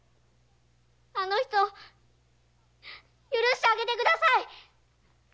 あの人を許してあげてください‼